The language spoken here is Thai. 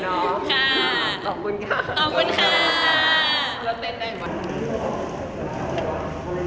โดดีโดงโดดีโดดีโดดีโดง